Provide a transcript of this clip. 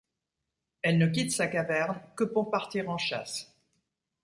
Elle ne quitte sa caverne que pour partir en chasse.